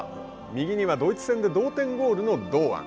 右にはドイツ戦で同点ゴールの堂安。